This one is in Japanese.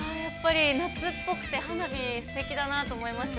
◆夏っぽくて、花火すてきだなと思いました。